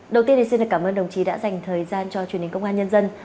đầu tiên thì xin cảm ơn đồng chí đã dành thời gian cho truyền hình công an nhân dân